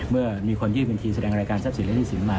เมื่อมีคนยืบเป็นทีแสดงรายการทรัพย์ศิลป์และธิสินมา